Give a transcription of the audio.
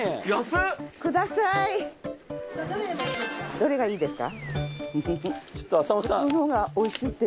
どれがいいですか？